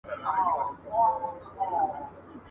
د «نارينه د ارزښت»